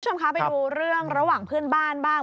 คุณผู้ชมคะไปดูเรื่องระหว่างเพื่อนบ้านบ้าง